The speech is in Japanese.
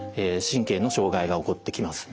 神経の障害が起こってきます。